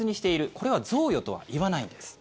これは贈与とは言わないんです。